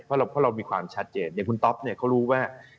เพราะเรามีความชัดเจนอย่างคุณต๊อปเนี่ยเขารู้ว่า